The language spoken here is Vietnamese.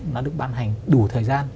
nó được ban hành đủ thời gian